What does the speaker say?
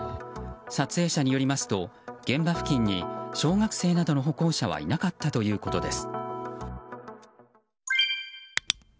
撮影者によりますと現場付近に小学生などの歩行者はいなかったということです。